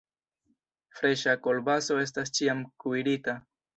Freŝa kolbaso estas ĉiam kuirita.